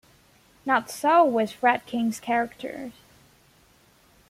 Not so with Friedkin's characters.